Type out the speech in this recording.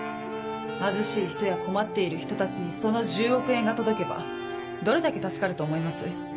貧しい人や困っている人たちにその１０億円が届けばどれだけ助かると思います？